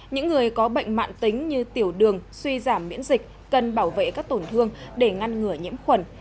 những người có bệnh mạng tính như tiểu đường suy giảm miễn dịch cần bảo vệ các tổn thương để ngăn ngừa nhiễm khuẩn